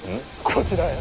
こちらへ。